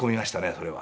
それは。